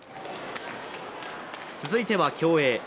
続いては競泳。